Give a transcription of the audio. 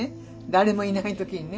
誰もいない時にね。